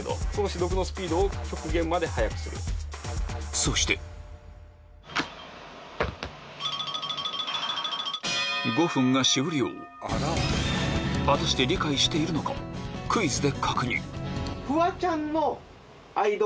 そして果たして理解しているのかところで。